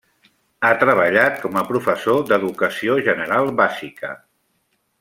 Ha treballat com a professor d'Educació General Bàsica.